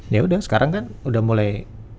yaudah sekarang kan udah mulai